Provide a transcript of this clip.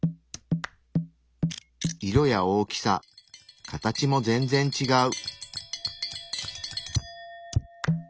色や大きさ形も全然ちがう。